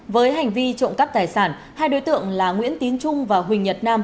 với hành vi trộm cắp tài sản hai đối tượng là nguyễn tín trung và huỳnh nhật nam